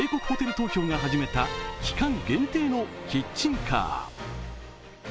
東京が始めた期間限定のキッチンカー。